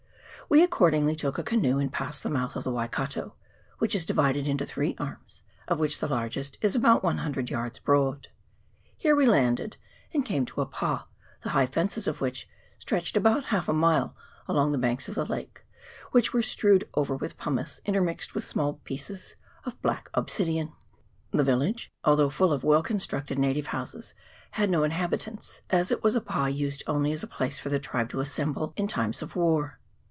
We accordingly took a canoe, and passed the mouth of the Waikato, which is divided into three arms, of which the largest is about 100 yards broad. Here we landed, and came to a pa. 364 EMBALMED HEADS. [PART II. the high fences of which stretched about half a mile along the banks of the lake, which were strewed over with pumice intermixed with small pieces of black obsidian. The village, although full of well constructed native houses, had no inhabit ants, as it was a pa used only as a place for the tribe to assemble in in times of war.